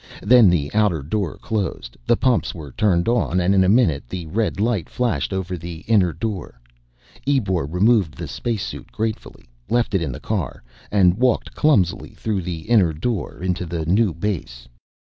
Then the outer door closed, the pumps were turned on, and in a minute the red light flashed over the inner door. Ebor removed the spacesuit gratefully, left it in the car, and walked clumsily through the inner door into the new base.